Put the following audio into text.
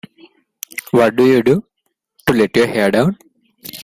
What do you do to let your hair down?